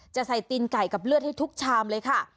จะใส่ตีนไก่กับเลือดให้ทุกชามเลยค่ะ